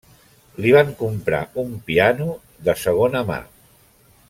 Li van comprar un piano de segona mà.